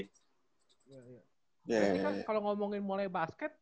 ini kan kalau ngomongin mulai basket